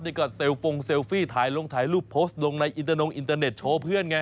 นี่ก็เซลฟงเซลฟี่ถ่ายลงถ่ายรูปโพสต์ลงในอินเตอร์นงอินเตอร์เน็ตโชว์เพื่อนไง